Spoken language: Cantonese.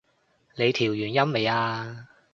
你調完音未啊？